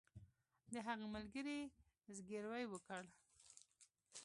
د هغه ملګري زګیروی وکړ